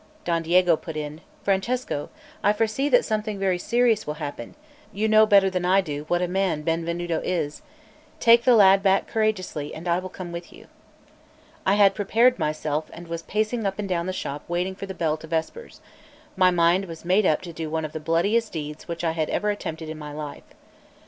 Don Diego put in: "Francesco, I foresee that something very serious will happen; you know better than I do what a man Benvenuto is; take the lad back courageously, and I will come with you." I had prepared myself, and was pacing up and down the shop waiting for the bell to vespers; my mind was made up to do one of the bloodiest deeds which I had ever attempted in my life.